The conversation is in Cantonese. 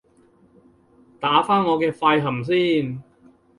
打返我嘅快含先